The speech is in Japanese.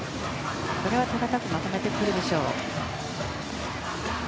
これは手堅くまとめてくるでしょう。